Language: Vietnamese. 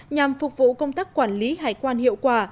nhằm phục vụ công tác quản lý hải quan hiệu quả